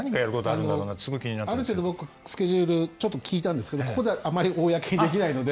ある程度僕スケジュールちょっと聞いたんですけどここではあまり公にできないので。